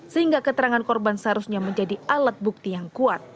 sehingga keterangan korban seharusnya menjadi alat bukti yang kuat